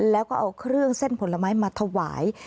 แล้วก็เอาเครื่องเส้นผลไม้มาถวาย